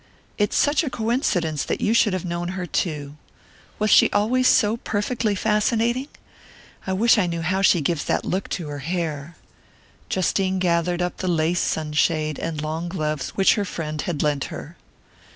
"It's such a coincidence that you should have known her too! Was she always so perfectly fascinating? I wish I knew how she gives that look to her hair!" Justine gathered up the lace sunshade and long gloves which her friend had lent her.